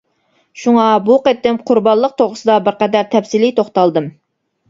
شۇڭا بۇ قېتىم قۇربانلىق توغرىسىدا بىرقەدەر تەپسىلىي توختالدىم.